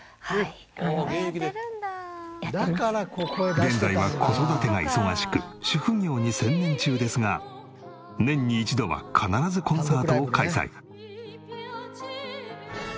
現在は子育てが忙しく主婦業に専念中ですが年に一度は必ずコンサートを開催。